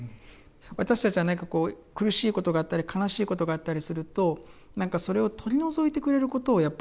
私たちは何かこう苦しいことがあったり悲しいことがあったりするとそれを取り除いてくれることをやっぱり願ってしまう。